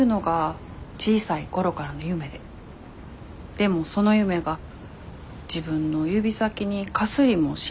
でもその夢が自分の指先にかすりもしないと思い知って。